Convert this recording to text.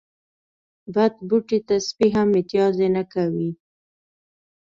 بد بوټي ته سپي هم متازې نه کوی.